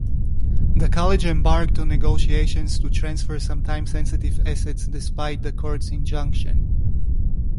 The college embarked on negotiations to transfer some time-sensitive assets despite the court's injunction.